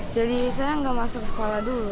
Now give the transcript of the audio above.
jadi saya nggak masuk sekolah dulu